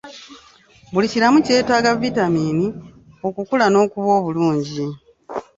Buli kiramu kyetaaga vitamiini okukula n'okuba obulungi.